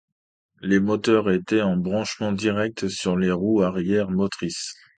Les moteurs étaient en branchement direct sur les roues arrière motrices.